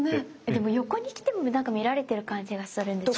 でも横に来てもなんか見られてる感じがするんです。